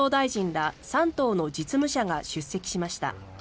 ら３党の実務者が出席しました。